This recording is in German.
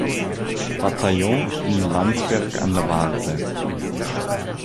Bataillon in Landsberg an der Warthe.